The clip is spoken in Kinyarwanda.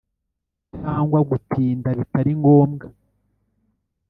cyangwa gutinda bitari ngombwa